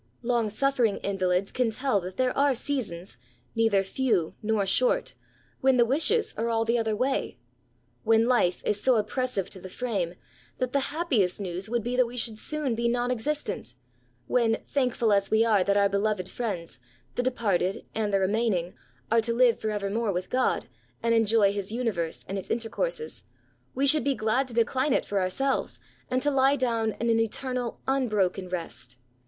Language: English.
Long suffering invalids can tell that there are seasons, neither few nor short, when the wishes are all the other way, — ^when life is so oppressive to the frame that the happiest news would be that we should soon be non existent, — when, thankfrd as we are that our beloved friends, the departed and the remain ing, are to live for evermore with God, and enjoy his universe and its intercourses, we should be 108 B8SAYS. glad to decline it for ourselves, and to lie down in an eternal, unbroken rest.